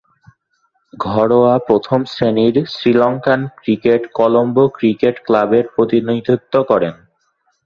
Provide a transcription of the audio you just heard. ঘরোয়া প্রথম-শ্রেণীর শ্রীলঙ্কান ক্রিকেটে কলম্বো ক্রিকেট ক্লাবের প্রতিনিধিত্ব করেন।